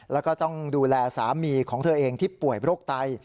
แล้วก็ต้องดูแลสามีของเธอเองที่ป่วยโรคไต